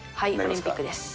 はい、オリンピックです。